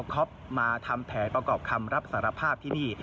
คอปมาทำแผนประกอบคำรับสารภาพที่นี่